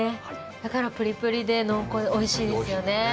だからプリプリで濃厚でおいしいですよね。